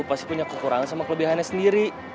pasti punya kekurangan sama kelebihannya sendiri